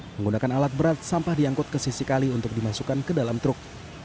menggunakan alat berat sampah diangkut ke sisi kali untuk dimasukkan ke dalam truk